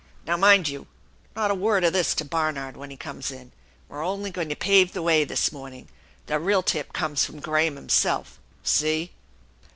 Now mind you, not a word of this to Barnard when he comes in. We're only going to pave the way this morning. The real tip comes from Graham himself. See